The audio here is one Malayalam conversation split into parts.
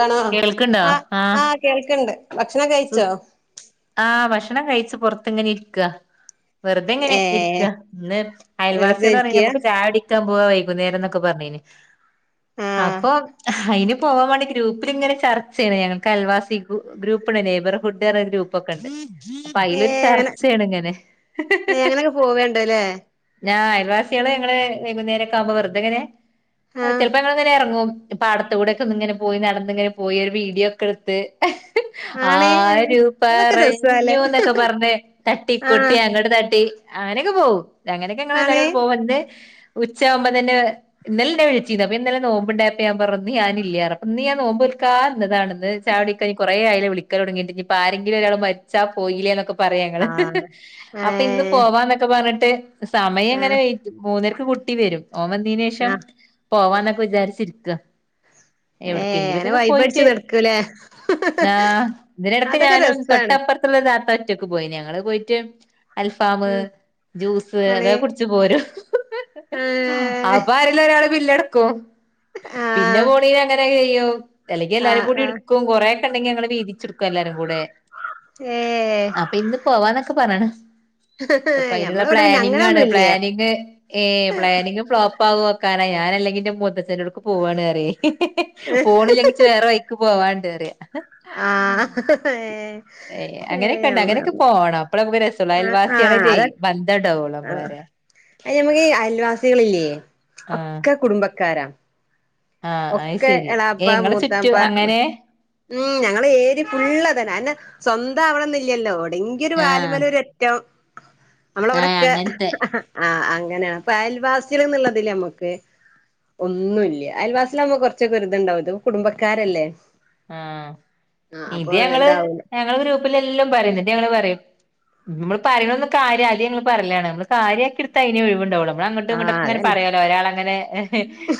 കാണോ കേൾക്ക്ണ്ടോ ആ ആഹ് ആ കേൾക്കണ്ട് ഭക്ഷണം കയിച്ചോ ആ ഭക്ഷണം കഴിച്ച് പൊറത്ത് ഇങ്ങന ഇരിക്ക്ആ വെറുതെ എങ്ങനെ ഏഹ് ഇരിക്കാ ഇന്ന് വെറുതെ ഇരിക്കയാ ത്താം പോവ്വാ വൈകുന്നേരന്നൊക്കെ പറഞ്ഞേന് ആഹ് അപ്പൊ അയിന് പോവാം വേണ്ടി ഗ്രൂപ്പിലിങ്ങനെ ചർച്ചേണ് ഞങ്ങൾക്കയൽവാസി ഗ്രൂ ഗ്രൂപ്പ് ഉണ്ട് രേബർഹുഡ് പറഞ്ഞ ഗ്രൂപ്പൊക്കെ ഇണ്ട് അപ്പൊ അയിലൊരു ഏഹ് അങ്ങനെ ചർച്ചയാണ് ഇങ്ങനെ ഏഹ് അങ്ങനെയൊക്കെ പോവേണ്ടല്ലേ ഞാ അയൽവാസികള് ഞങ്ങള് വൈകുന്നേരക്കാവുമ്പൊ വെറുതെ ഇങ്ങനെ ആഹ് ചെലപ്പോ ഞങ്ങള് [unintelligible] എറങ്ങും ഈ പ്പാടത്തൂടൊക്കെ ഒന്നിങ്ങനെ പോയി നടന്നിങ്ങനെ പോയി ഒരു വീഡിയൊക്കെ എടുത്ത് ആണേ എഹ് ആരു പറഞ്ഞൂന്നൊക്കെ പറഞ്ഞ് തട്ടി ആഹ് കൊട്ടി അങ്ങോട്ട് തട്ടി അങ്ങനെയൊക്കെ പോവും അങ്ങനെയൊക്കെ എങ്ങള് ആണേ എല്ലാരോടും പോവലുണ്ട് ഉച്ചാവുമ്പ തന്നെ ഇന്നലെന്നെ വിളിച്ചീന്ന് അപ്പൊ ഇന്നല നോമ്പ്ണ്ടായപ്പ ഞാൻ പറഞ്ഞ ഇന്ന് ഞാനില്ല്യാ ഉറപ്പന്ന് ഞാ നോമ്പ് ക്കാ ഇന്നതാണെന്ന് ചവിടിക്കായി കൊറെേ ആയിലെ വിളിക്കൻ തൊടങ്ങീട്ട് ഇനിപ്പൊ ആരെങ്കിലും ഒരാൾ മരിച്ചാ പോയീലേന്നൊക്ക് പറയാങ്ങള് ആഹ് അപ്പ ഇന്ന് ഏഹ് പോവാന്നൊക്കെ പറഞ്ഞിട്ട് സമയം ഇങ്ങനെ ആഹ് വെയ് മൂന്നേര് പൂട്ടി വരും ഓന് വന്നീനേഷം ആഹ് പോവാന്നൊക്കെ വിചാരിച്ചിരിക്കാ ഏഹ് അങ്ങനെ എവിടെക്കെങ്കിലൊക്കെക്കെ വൈബടിച്ച് പോയിറ്റ് നടക്കൂലേ ഇതിനെടക്ക് അതൊക്കെ ഞാനും രസാണ് തൊട്ടപ്പുറത്തുള്ള ഒരു താത്ത ഒറ്റക്ക് പോയി ഞങ്ങള് പോയിറ്റ് അൽഫാമ് ഉം ജ്യൂസ് ആണ് അതൊകുടിച്ച് പോരും ഏഹ് അപ്പൊ ആരെല്ലൊരാള് ബില്ലടക്കും കോം പിന്നെ ആഹ് പോണീ അങ്ങനെ ചെയ്യും അല്ലെങ്കി എല്ലാരും ആഹ് കൂടി ആഹ് എടുക്കും കൊറെ ട്ടെണ്ടെങ്കി അങ്ങള് വീതിച്ചെടുക്കും എല്ലാരും കൂടെ ഏഹ് അപ്പൊ ഇന്ന് പോവാന്നൊക്കെ പറയണ് അപ്പൊ അയിനുള്ള ഞമ്മളവിടെ പിന്നെ പ്ലാനിംഗാണ് അങ്ങനൊന്നും ഇല്ല്യ പ്ലാനിങ് ഏ പ്ലാനിങ് ഫ്ലോ പാവ്വു ഓക്കാനേ അല്ലെങ്കിന്റെ മുത്തച്ഛന്റൊടുക്ക് പൂവ്വാണാന്ന് പറയും ഏ പോണില്ലെങ്കി ഇച്ച് വേറെ വയിക്ക് പോവാണ്ട് പറയ്യാ ആ ഏ ഏയ് അങ്ങനൊക്കെ ഇണ്ട് ആഹ് അങ്ങനൊക്കെ പോണം അപ്പൊളാ [unintelligible] രസൊള്ളു അൽവാസികളെ ജെയ ബന്ധണ്ടാ ആ അ ഞമക്ക് അയൽവാസികളില്ലേ ആഹ് ഒക്കെ കുടുംബക്കാരാ. ആഹ് അത് ഒക്കെ ശരി ഏ എളാപ്പാ ഇങ്ങളെ ചുറ്റും മൂത്താപ്പാ. അങ്ങനെ ഉം ഞങ്ങള് ഏരി ഫുള്ളതന്നെ അന്നെ സ്വന്തം ആവണന്നില്ലല്ലോ എടെങ്കിലൊരു ഒരു ആഹ് വാലുമല ഒരറ്റം. ആഹ് നമ്മളവിടൊക്കെ അങ്ങനത്തെ ആഹ് അങ്ങന പ്പ അയൽവാസികൾ ന്നതിൽ നമ്മക്ക് ഒന്നൂല്ല. അതാവുമ്പോ കുറച്ചൊക്കൊരു ഇതുണ്ടാവും ഇത്പ്പോ കുടബക്കാരല്ലേ. ആ ഇത് ഞങ്ങള് ഇതാവൂല ഞങ്ങള് ഗ്രൂപ്പില് എല്ലാം പറയും എന്നിട്ട് ഞങ്ങള് പറീം. നമ്മള് പറയണന്ന് കാര്യ അല്ലെ ഞങ്ങങ്ങള് പറലാണ് നമ്മള് കാര്യയാക്കി എടുത്ത അതിനന് ഒഴിവ്ണ്ടാവുള്ളു. നമ്മള അങ്ങോട്ടും ഇങ്ങോട്ടെ ആഹ് ങ്ങനെ അതന്നെ പറയലോ ഒരാൾ അങ്ങനെ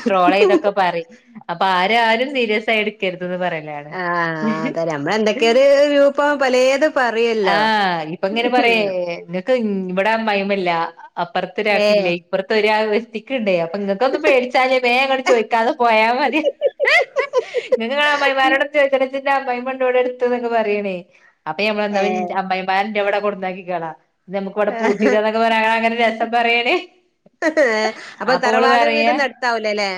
ട്രോൾ ചെയ്തൊക്കെ പറീം. അപ്പൊ ആരു ആരും സീരിയസ് ആയി എടുക്കര്ത്. ആഹ് അത് നമ്മള എന്തൊക്കെയ ഒരു രൂപ്പ പലേത്. പറയല്ലോ ആഹ് ഇപ്പ എങ്ങനെ പറേ ഇവിടൻ ഭയമല്ല ഏ അപ്പുറത്തൊരാക്കില്ലേ ഇപ്പുറത്ത ഒരാവത്തിക്കണ്ടേ നിങ്ങക്ക ഒന്ന് പേടിച്ചാലേ മേ അങ്ങെ ചോദിക്കാതെ പോയാ മതി നിങ്ങ നിങ്ങള അമ്മൈമാരോട് ചോദിച്ച ന്റെ അമ്മയ്മണ്ട്ടത്തക്കെ പറയണേ അപ്പൊഞമ്മളെ ഏ അമ്മയിമാ ഇവിടെ കൊടന്നാക്കികളാ നമുക്ക് ഇവിടെ പൂട്ടിടന്നൊക്കെ പറയാ അങ്ങനെ രസം പറയണണേ അപ്പൊ അവള് തറവാട് പറയാ വീടൊന്നും അടുത്താവൂലല്ലേ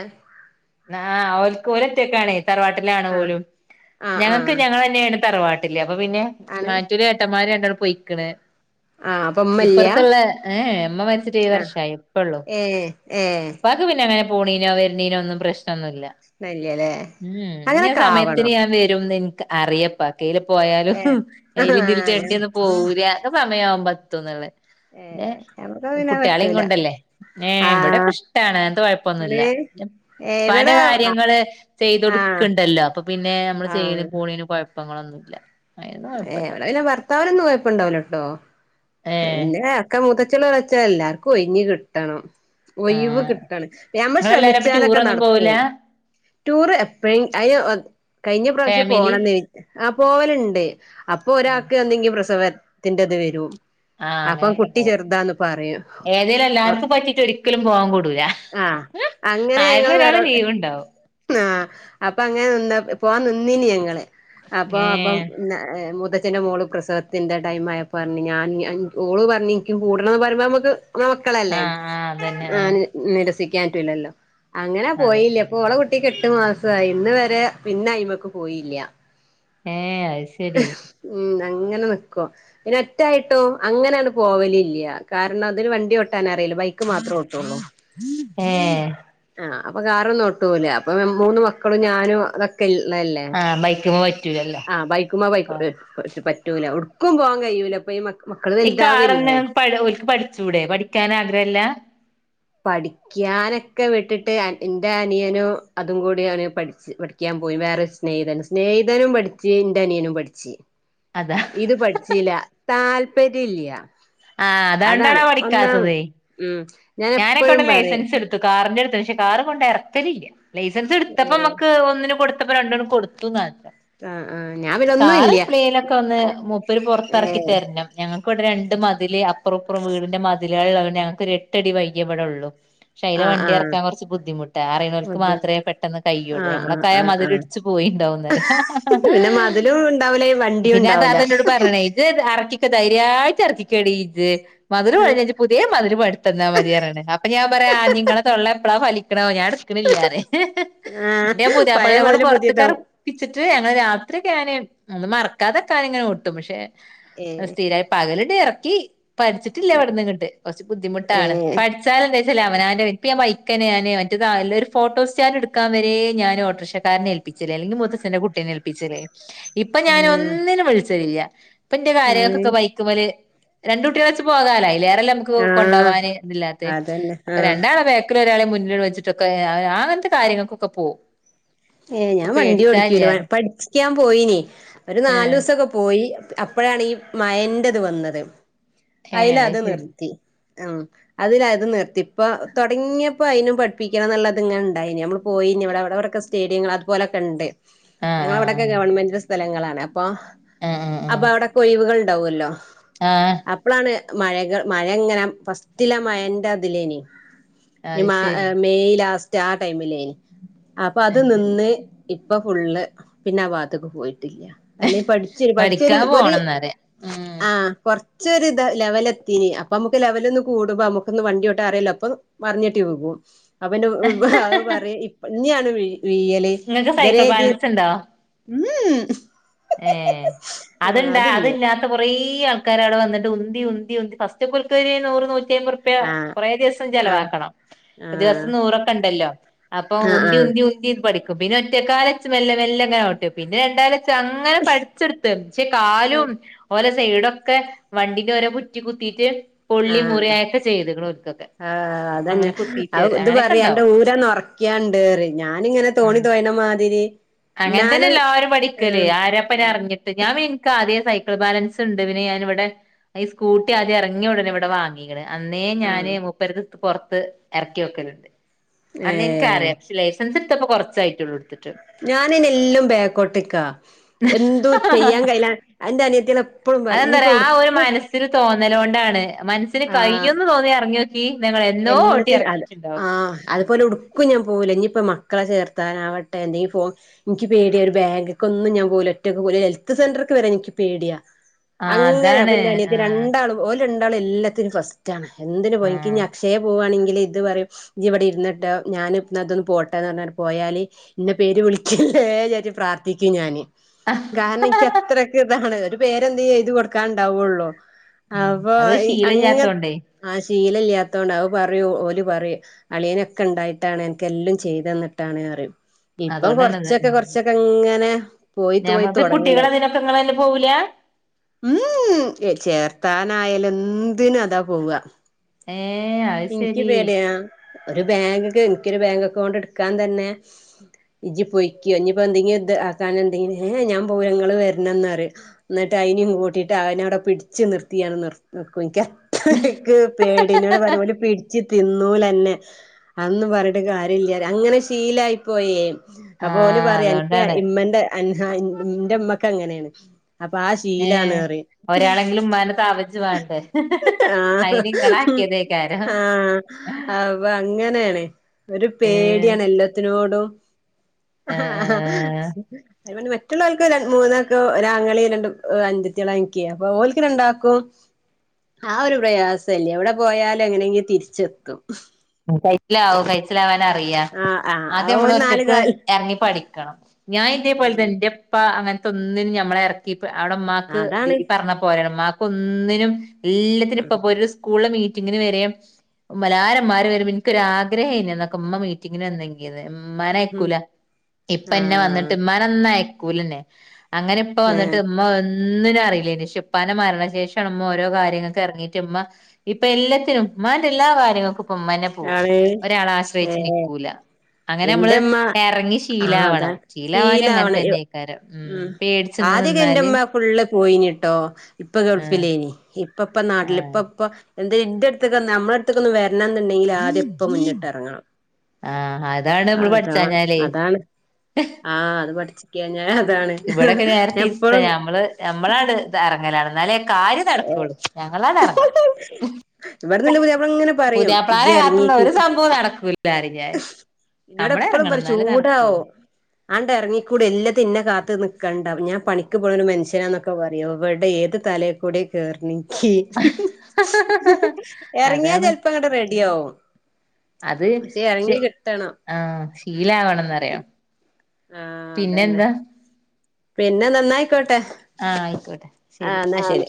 ആഹ് ഓളൊറ്റക്കാണെയ് തറവാട്ടിലാണ് ആഹ് പോലും ആഹ് ഞങ്ങൾക്ക് ആഹ് ഞങ്ങൾ തന്നെയാണ് തറവാട്ടില് അപ്പൊ പിന്നെ ആണ് മറ്റൊരു ഏട്ടന്മാര് രണ്ടോളും പൊയിക്കണ്. ആഹ് അപ്പൊ ഉമ്മല്ല ഇപ്പുറത്തുള്ള ഏഹ് മ്മ മരിച്ചിട്ട് ഏഴ് ആഹ് വർഷയി ഇപ്പള്ളൂ. ഏ ഏ ങ്ങക്ക് പിന്നെങ്ങനെ പോണീനോ വർന്നീനോ ഒുരു പ്രശ് ഇല്ലല്ലേ ഞൻ [unintelligible] അങ്ങനൊക്കെ സമയത്തിന് ആവണം ഞാൻ വരും എ അറിയപ്പ കയ്യില് പോയാലും ഏ കയ്ൽ അങ്ങനെ ഇതിണ്ടിന്ന പോവൂല സമയവുമ്പത്തുന്നള് ഏ നമുക്ക് എ പിന്നെ കുട്ടിയേളെ പറ്റൂല കൊണ്ടല്ലേ. ഏ ആഹ് ഇവിടെയൊക്കെ ഇഷ്ടാണ് അങ്ങനത്ത കൊഴപ്പൊന്നുല്ല. ആണ് ഏ പ്പാന്റെ ഇവിടെ കാര്യങ്ങള് ആഹ് ചെയ്ത്കൊടുക്കുണ്ടല്ലോ അപ്പൊ പിന്നെ നമ്മള് ആഹ് ചെയ്യന് പോണീന് കുഴപ്പങ്ങളൊന്നുല്ല അയ്ൻ. എ പിന ഭർത്താവിനന്നും കൊയപ്പുണ്ടവൂലട്ടോ ഏ പിന്നെ മുതച്ച്ചിയെൾ വളച്ചാ എല്ലാർക്കും ഒഴിഞ് കിട്ടണം ആ ഒഴിവ് കിട്ടാണ് നമ്മൾ ഇങ്ങളെല്ലാരും അപ്പൊ ശ്രമിച്ചാലൊക്കെ ടൂറൊന്നും പോവൂല നടക്കും ടൂറ് എപ്പഴെ അയിന് കഴിഞ്ഞ പ്രാവശ്യം ഫാമിലി പോണംന്ന് ആ പോവലുണ്ട് അപ്പൊ ആ ഒരാൾക്ക് എന്തെങ്കിലും പ്രസവത്തിന്റെ ഇത് വരൂ. ആഹ് അങ്ങനെയൊക്കെണ്ടാവും ഏതേലും എല്ലാർക്കും പറ്റീട്ട് ഒരിക്കലും പോവാൻ കൂടൂല. ആ അങ്ങനെ ആരിലും ഞങ്ങള് വേറെ ഒരാള് ലീവ് ഉണ്ടാവും ആഹ്. അപ്പൊ അങ്ങനെ നിന്ന പോവാൻ നിന്നിന് ഞങ്ങള് അപ്പൊ അപ്പൊ ഏഹ് ത്തിന്റെ മോള് പ്രസവത്തിന്റെ ടൈം ആയ പറഞ് ഞാൻ ഓള് പറഞ് ഇൻക്കു കൂടണന്ന് പറയ്മ്പൊ നമുക്ക് മക്കളല്ലേ ആഹ് ആഹ് അതന്നെ ആഹ് നിരസിക്കാൻപറ്റില്ലല്ലോ. അങ്ങനെ അതെ പോയില്ലപ്പൊ ഓളെ കുട്ടിക്ക് എട്ട് മാസായ്‌ ഇത് വരെ പിന്നെയിമക്ക് പോയില്ല. ഏഹ് അത് ശരി ഉം അങ്ങനെ നിക്കുവ പിന്നെ ഒറ്റായിട്ടോ അങ്ങനെങ്ട്ട് പോവല് ല്ല കാരണം അതിന് വണ്ടി ഒട്ടാൻ അറിയ ബൈക്ക് മാത്രെ ഓട്ടൊള്ളൂ ഏഹ് ആ അപ്പൊ കറൊന്നു ഒട്ടൂല അപ്പൊ മൂന്ന് മക്കളും ഞാനും അതൊക്കെ ലെല്ലേ ആഹ് ബൈക്കുമ്മെ പറ്റൂലല്ലോ ആ ബൈക്ക ബൈട്ട ആഹ് പറ്റ റ്റൂല ടുക്കും പോവാങ്കയ്യുലപ്പ ഇ ഈ കാറന്നെ ഒൽക്ക് പഠിചൂടെ പഠിക്കാൻ ആഗ്രഹല്ല? പഠിക്കാനൊക്കെ വിട്ടിട്ട് എൻറെ അനിയനോ അതും കൂടിയാണ് പഠിച പഠിക്കാൻ പോയ് വേറെ സ്നേഹിതൻ സ്നേഹതനും പഠിച്ച് ന്റെ അനിയനും പഠിച് അതാ ഇത് പഠിച്ചില്ല താല്പര്യല്ല്യ ആ അതോണ്ടാണത് പഠിക്കാത്തത് ഉം ഞാൻ എപ്പോഴും ഞാനെക്കേവിടെ പറയും ലൈസൻസ് ഇട്ത്ത്ക്ക കാറ്ൻ്റെ ഇട്ത്ത്ക്ണ് പക്ഷെ കാറങ്ങോട്ട് എറക്കലില്ല ലൈസൻസ് ഇട്ത്തപ്പോ ഏഹ് അമ്മക്ക് ഒന്നിനും കൊടു ത്തപ്പ രണ്ടും ആണ്ട് കൊടുത്തുന്നാ ആഹ് ആഹ് ഞാൻ പിന്നെ ഒന്നും കാറ് ഇല്ല എപ്ലേലൊക്കൊന്ന് മൂപ്പര് പൊർത്തർക്കി ഏഹ് തര്ണം ഞങ്ങ ക്ക് വ്ടെ രണ്ട് മതില് അപ്പറുംഇപ്പറും വീടിന്റെ മതിലാള് ള്ളോണ്ട് ഞങ്ങക്കൊരു എട്ടടി വയ്യെ ഇവടൊള്ളു പക്ഷെഐല ആഹ് വണ്ടി ആഹ് എറക്കാ കൊർച്ച് ബുദ്ധിമുട്ട അറിണോൽക്ക് മാത്രേ പെട്ടെന്ന് കയ്യുള്ളൂ ആഹ് ആഹ് നമ്മളെക്കായാ ആഹ് ആഹ് മതില്ട്ച്ച് പോയി ണ്ടാവുന്നറ്യ പിന്നെ മതിലും ഉണ്ടാവൂല വണ്ടിയും പിന്നെ ആ ഉണ്ടാവൂല താത്ത ഇന്നോട് പറഞ്ഞ്ണ് ഇജ് എറ ക്കിക്കൊ ധൈര്യമായിട്ടറക്കികടി ഇജ് മതില് ഉം പൊളിഞ്ഞ ഇജ് പുതിയ മതില് പട് ത്തന്നാ മതിർഞ്ഞ്ണ് അപ്പൊ ഞാൻ പറയാ ആ ഇങ്ങളെ തൊള്ള എപ്പളാ ഫലിക്ക്ണാവോ ഞാ ആഹ് ണ്ണിലെന്ന് പഴയ പുതിയാപ്പൾനെ കൊണ്ട് മതില് പുതിയതാവും പൊർത്ത്ക്കെർകിച്ച്ട്ട് രാത്രിക്കെ ഞാന് മറക്കാത്ക്കാന്ങ്ങനെ ഓട്ടും പക്ഷെ ഏഹ് സ്ഥിരായി പകല് ഇറക്കി പഠിച്ചിട്ടില്ല ഇവിട്ന്ന്ങ്ങട്ട് കൊർച്ച് ബുദ്ധിമുട്ടാണ് ഏഹ് പഠിച്ചാലന്തച്ചാല് അവനാൻ്റെ മൈക്കന്നെ ഞാന് മറ്റ ഒരു ഫോട്ടോ സ്റ്റാൻ എടുക്കാ വരെ ഞൻ ഓട്ടോറിക്ഷക്കാരനെ ഏൽപ്പിച്ചില്ലേ അല്ലെങ്കിൽ എന്റെ കുട്ടിനെ ഏൽപ്പിച്ചലേനി ഇപ്പൊ ഞാനൊന്നിനും വിൾച്ചലില്ല ഉപ്പന്റെ ആഹ് ആണ് കാര്യങ്ങക്കെക്കെ ബൈക്ക്മല് രണ്ട് കുട്യളെച്ച് പോകാലൊ ഐലേറെല്ലമ്മക്ക് ആഹ് കൊണ്ടോവാന് ഇതില്ലാത്തെ അതന്നെ അപ്പോ ആഹ് രണ്ടാളെ ബേക്ക് ഒരാളെ മുന്നില് വെച്ചിട്ടൊക്കെ ഞാ അങ്ങൻത്തെ കാര്യങ്ങക്കൊക്കെ പോകും ഏ ഞാൻ വണ്ടോടിക്യല പഠിക്കാൻ പോയി ഒരു ആഹ് നാലുസൊക്കെ പോയി അപ്പഴാണ് ഈ മൻ്റത് വന്നത് ഏഹ് ഐല് അത് ശരി നിർത്തി ആ അതില് അതും നിർത്തി ഇപ്പൊ തൊടങ്ങിയപ്പോ ഐനും പഠിപ്പിക്കണം എന്നുള്ളത്ങ്ങനെ ഇണ്ടായി നമ്മള് പോയി പിന്നവിടെവിടൊക്കെ സ്റ്റേഡിയങ്ങള് അതുപലൊക്കെണ്ട് ആഹ് ഞങ്ങളവിടൊക്കെ ആഹ് ഗവൺമെന്റിന്റെ സ്ഥലങ്ങളാണ് അപ്പൊ ആഹ് അപ്പ ആഹ് അവിടൊക്കേ ഒഴിവുകള്ണ്ടാവല്ലോ ആഹ് ആഹ് അപ്പളാണ് മഴകള് മഴങ്ങനെ ഫസ്റ്റിലെ മഴന്റെ അതിലേനി ഈ അത് ശരി മെയ് ലാസ്റ്റ് ആ ടൈമിലേനി അപ്പൊ അത് നിന്ന് ഇപ്പൊ ഫുള്ള് പിന്നെ ആ ഭാത്ത്ക്ക് പോയി ട്ടില്യ പഠിച്ചേനി പഠിച്ചൊരു പഠിക്കാൻ ഒര് പോണംന്നറിയാ ഉം ആ ച്ചൊരു ലെവലത്തീനി അപ്പമ്മക്ക് ലെവലൊന്ന് കൂടുമ്പോ നമ്മക്കൊന്ന് വണ്ടിഓട്ടാൻ അറില്ലോ അപ്പൊ മർഞ്ഞെട്ടി വികും അപ്പപിന്നെ അത് പറിം ഇഞ്ഞാണ് വീ ഴല് ഇങ്ങക്ക് ഇദരെ സൈക്കിൾ ജ് ഉം ഏ ആഹ് അത്ണ്ടാ അതില്ല അതില്ലാത്ത കൊറേ ആ ൾക്കാരവിടെ വന്നിട്ട് ഉന്തി ഉന്തി ഫസ്റ്റൊക്കെ ഓൽക്കൊര് നൂറ് നൂറ്റ്യയ്മ്പൊർപ്യ ആഹ് കൊറേ ദിവസം ആഹ് ചെലവാക്കണം ദിവസം ആഹ് നൂറൊക്കെണ്ടല്ലോ അപ്പം ആഹ് ഉന്തി ഉന്തി ആഹ് ഉന്തി പഠിക്ക ക്കും പിന്നെ ഒറ്റക്കാലെച്ച് മെല്ലെ മെല്ലെ ഇങ്ങനോട്യോക്കും പിന്നെ രണ്ടാലെ ച്ച് അങ്ങനെ പഠിച്ചെട്ത്ത് പക്ഷെ കാലും ഓല സൈഡൊക്കെ വണ്ടിന്റെ ഓരോ കുറ്റി കുത്തീട്ട് പൊള്ളി ആഹ് മുറ്യായൊക്കെ ചെയ്ത്ക്ണ് ഓൽക്കൊക്കെ ആഹ് അതന്നെ അങ്ങനെ കുത്തീട്ട് വരെ ഇത് അങ്ങനെയൊക്കെ പറിം അന്റെ ഇണ്ടാവും ഊരൊന്ന് ഒർക്യാണ്ട്റിം ഞാനിങ്ങനെ തോണി തോയിണ മാതിരി അങ്ങൻ തന്നെ എന്നാലും എല്ലാരും പഠിക്കല് ആഹ് ആരപ്പ അറിഞ്ഞിട്ട് ഞാൻ ഇൻക്ക് ആദ്യെ സൈ ക്ള്ബാലൻസ്ണ്ട് പിന്നെ ഞാനിവിടെ ഈ സ്കൂട്ടി ആദ്യം എറങ്ങിയ ഉടെ ഇവടെ വാങ്ങീക്ണ് അന്നേ ആഹ് ഞാന് മുപ്പര്ത് പൊർത്ത് എറക്യോക്കല്ണ്ട് അന്ന് ഏഹ് ഇൻക്കറിയാ പക്ഷെ ലൈസൻസ് ഇട്ടുത്തപ്പോ കൊർച്ചായിട്ടൊള്ളൂ ഇട്ത്തിട്ട് ഞാനതിനെല്ലാം ബേക്കോട്ടിക്കാ എന്തു ചെയ്യാൻ കഴില്ല അതിന്റെ അനിയത്തി അതെന്താറിയോ ആ ഒരു മനസ്സില് തോന്നലോണ്ടാ ണ് മനസ്സിന് ആഹ് കയ്യുന്ന് തോന്നി എറങ്ങോക്കി ന്നാ ഇങള് എല്ലത്തിനും അത് ആ അതുപോലെ ഉ ഒട്ക്കും ഞാൻ പോവൂല ഇനിയിപ്പോ മക്കളെ ചേർത്താനാവട്ടെ എന്തെങ്കി ഫോം എനിക്ക് പേടിയ ഒരു ബാങ്ക്ക്കൊന്നും ഞാൻ പോവൂല ഹെൽത്ത് സെന്റർക് വെരെ ഇൻക്ക് പേട്യാ ആ അങ്ങനെ അപ്പം അതാണ് ഇൻ്റെ ആ അനിയത്യറിം രണ്ടാ രണ്ടാളും എല്ലത്തിനും ഫസ്റ്റാണ് എന്തിനു ആ പോയിക പോകവാണെങ്കിൽ ഇത് പറയും ഇ ഇവിടെ ഇരുന്നിട്ട് ഞൻ അതൊന്ന് പോട്ടെന്ന് പറഞ്ഞട്ട് പോയാല് നീ, വിളിക്കല്ലേ [unintelligible] പ്രാർത്ഥിക്കും ഞാാന് കാരണം എനിക്ക് അത്രൊക്കെ ഇതാണ് ഒരു പേരെന്ത്, എഴുതി കൊടുക്കാൻുണ്ടാവുള്ളോ. ഉം അപ്പൊ അത് [unintelligible] അങ്ങ ശീലല്ലാത്തോണ്ടേ ആ ശീല അതൊണ്ട് അവ പറൂ ഓലി പറയൂ അളിയനൊക്കെ ണ്ടായിട്ടാണ് അ നക്ക്ല്ലാം ചെയ്ത ന്നിട്ടാണ് റിയും. ഇപ്പം അതുകൊണ്ടാണത് കൊറച്ചൊക്കെ, ഉം കൊറച്ചൊക്കെ ഇങ്ങനെ. പോയിത്ത് പോയിത്ത് ഞമ്മക്ക് തുടങ്ങണ്ട. കുട്ടികളെ ഇതിനൊക്കെ ഇങ്ങളന്നെ പോവൂല ഉംചേർത്താൻ. ആയലന്തിനും അതാ പോവ. ഏഹ് അത് ഇൻക്ക് ശരി പേടിയ. ഒരു ബാങ്ക്ക്ക്. എനിക്കൊരു ബാങ്ക് അക്കൗണ്ട് എടുക്കാൻ തന്നെ ഇജി പൊയ്ക്കോ ഇനിയിപ്പോൊ എന്തെങ്കിലും ഇത് ആക്കാന എന്തെങ്കിലും ഏ ഞാൻ, പോകൂലങ്ങൾ വരണ പറി എന്നിട്ട്,. ടൈനും കൂട്ടിയിട്ട് അവനവിടെ പിടിച്ച് നിർത്തിട്ട്. നിർ എക്ക് പേടിനോട് പറ [unintelligible] പിടിച്ചു തിന്നൂലന്നെ അന്നെ, പറഞ്ഞട്ട് കാര്യമില്ല അങ്ങനെ ശീലായി പോയേ. അപോല് ആഹ് പറയാ എനിക്ക് അതുകൊണ്ടാണ് ഇമ്മന്റെ [unintelligible] ന്റെ മ്മക്ക് ങ്ങനെയാണ്. അപ്പൊ ആ ശീലാണ് ഏഹ് അറിയും ഒരാളെങ്കിലും ഉമ്മാനെ താവച്ച് വേണ്ടേ [unintelligible] ആ അയിന് ഇങ്ങളാക്കിയതേക്കാരം ആഹ. അപ്പൊ അങ്ങനെയാണ് ഒരു ഏഹ് പേടിയാണ് എല്ലാത്തിനോടും. ഹ, ആഹ് ഹ ആഹ് ആഹ് [unintelligible] മറ്റുള്മൂന്നാക് ഒരാങ്ങളി, രണ്ട് അഞ്ചത്തിളക്കി, ന്കി അപ്പൊ ഓൽക്ക് രണ്ടാക്കും. ആ ഒരു പ്രയാസല്ലേ ഔടെ പോയാലും എങ്ങനെങ്കും തിരിച്ചെത്തും. കൈച്ചിലാവോ, കൈച്ചിലാവാൻ, അറിയ ആഹ് ആഹ് അത് ആദ്യം നമ്മള് ഓല് നാല് ഒറ്റക്ക് കാല് ഇറങ്ങി പഠി ഞാൻ ഇതേ പോലെ ഉം എന്റെപ്പ അങ്ങനത്തെ ഒന്നിനും ഞമ്മളെ ഇറക്കി അവിടെ ഉമ്മാക്ക് അതാണ് പറഞ്ഞ പോര മാക്ക് ഒന്നിനും എല്ലാത്തിനും ഇപ്പൊ സ്കൂളി, മീ മീറ്റിങ്ങിന് വര എല്ലാരന്മാര് വരമ്പും എനിക്കൊ, രാ ഗ്രഹയിനി. ന്നക്കഉമ്മ മീറ്റിങ്ങിന് വന്നങ്കിന് മ്മാ ഉം നെയ്ക്കൂല ഇപ്പന്നെ ആഹ് വന്നിട്ട് മ്മാ നയ് ക്കൂലന്നെ അങ്ങനെ ഇപ്പ ഏഹ് വന്നിട്ട്മ്മ ഒന്നിനഅറിയില്ലേയി നി, ഷേ, പ്പിന്റെമരണശേഷം, ആണമ്മ ഓരോ കാര്യങ്ങൾക്കെ ഇറങ്ങിട്ടമ്മ, ഇപ്പൊ എല്ലത്തിനും ഉമ്മാന്റെ എല്ലാ കാര്യങ്ങൾക്കുംപ്പമ്മനെ പോകും. ആണ് ഒരാള ഏഹ് ആശ്രയിച്ച്നിക്കൂല. അങ്ങനെ നമ്മള് എന്റെമ്മ ഇറങ്ങി ആഹ് അതാ ശീലവണം ശീലവാൻ ങ്ങനെ തന്നെ അയ്ക്കാരം, ഉം, പേടിച്ച് ആദ്യക്കെ, എന്റെമ്മ ഫുള്ള്പോയിനിട്ടോ. ഇപ്പൊ ആഹ് ഗൾഫിലേനി. ഇപ്പപ്പൊ നാട്ടില് ഇ ആഹ് ഇപ്പ എന്ത ഇന്റെ അടുത്തക്ക. നമ്മളെടുത്തൊക്ക ഒന്ന് വരണം [unintelligible] ണ്ടെങ്കി ആദ്യപ്പോം മുന്നിട്ട് ഇറങ്ങണം. ആഹ് അതാണ് നമ്മള് അതാ. പഠിച്ചാഞ്ഞാലേ അതാണ് ആഹ അത് പഠിച്ചിക്ക. ഇവിടെയൊക്കെ നേരെ തിരിച്ചനമ്മള് നമ്മളാണ് ഇറങ്ങലാണ് എന്നാലേ കാര്യം നടക്കുവുള്ളൂ ഞങ്ങളാറങ്ങ. ഇവിടുന്ന്ന്റെപുതിയാപ്പങ്ങനെ പറയും, കാത്തുന്ന ജ്റങ്ങിക്ക് ഒരു സംഭവം നടക്കൂല അറിയും ഞാന് നിന്നോട് നമ്മള് എപ്പഴും എറങ്ങണം പറ എന്നാലേ നടക്കുള്ളൂ ചൂടാവും ആണ്ട്, ഇറങ്ങിക്കൂട് എല്ലാത്തിനും കാത്ത [unintelligible] നിക്കണ്ട ഞാൻപണിക്ക്പോകണഒരു മനുഷ്യനാന്നൊക്കെ, പറയും എവിടെ. ഏത് തലേെ കൂടി കേയറി ഇറങ്ങിയാ അതാണ് ചിലപ്പോ ഇങ്ങട്ട് റെഡി ആവും അത്. പക്ഷെ ചെ എറങ്ങി കിട്ടണം ആഹ ശീലവണംന്ന്റിയാം. ആഹ അതന്നെ. പിന്നെ. ന്നായിക്കോട്ടെ ആഹ് ആയിക്കോട്ടെ ആ എന്നാ ആഹ് ശരി.